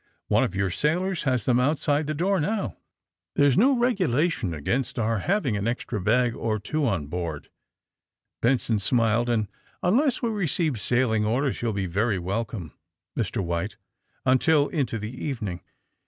One of your sailors has them, outside the door now." ^^ There's no regulation against our having an extra bag or two on board," Benson smiled, and unless we receive sailing orders you'll be very welcome, Mr. White, until into the evening.